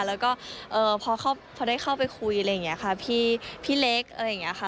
แล้วก็พอได้เข้าไปคุยอะไรอย่างนี้ค่ะพี่เล็กอะไรอย่างนี้ค่ะ